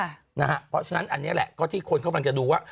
เพราะฉะนั้นอันนี้แหละก็ที่คนกำลังจะดูว่า